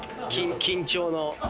緊張の。